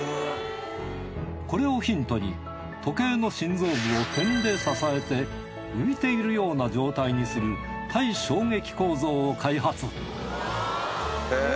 これをヒントに時計の心臓部を点で支えて浮いているような状態にする耐衝撃構造を開発へぇ。